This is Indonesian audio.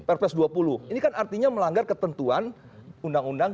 perpres dua puluh ini kan artinya melanggar ketentuan undang undang